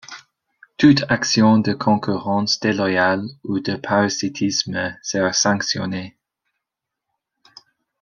Toute action de concurrence déloyale ou de parasitisme sera sanctionnée.